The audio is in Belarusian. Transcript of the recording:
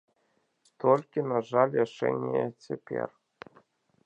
Толькі на жаль яшчэ не цяпер.